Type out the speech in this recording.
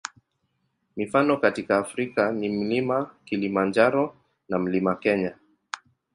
Mifano katika Afrika ni Mlima Kilimanjaro na Mlima Kenya.